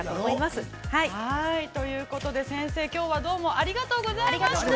◆ということで、先生、きょうはどうもありがとうございました。